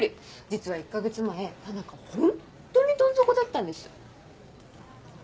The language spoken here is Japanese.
実は１か月前田中ホントにどん底だったんです。